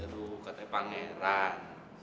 aduh katanya pangeran